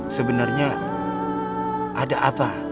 sebenernya ada apa